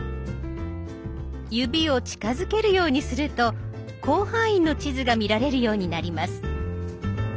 指を近づけるようにすると広範囲の地図が見られるようになります。